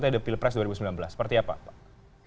periode pilpres dua ribu sembilan belas seperti apa pak